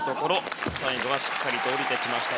最後はしっかりと降りてきました。